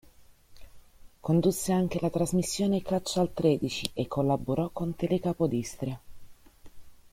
Condusse anche la trasmissione "Caccia al tredici" e collaborò con Tele Capodistria.